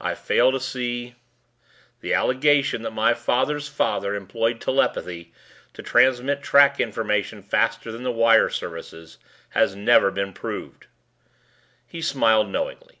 "I fail to see ... the allegation that my father's father employed telepathy to transmit track information faster than the wire services has never been proved." He smiled knowingly.